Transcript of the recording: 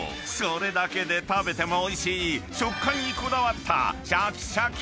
それだけで食べてもおいしい食感にこだわった］